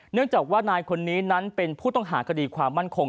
เนื่องจากว่านายคนนี้นั้นเป็นผู้ต้องหาคดีความมั่นคง